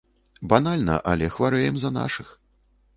Банальна, але хварэем за нашых.